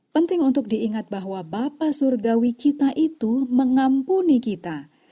penting untuk diingat bahwa bapak surgawi kita itu mengampuni kita